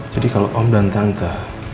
jadi kalau om dan tante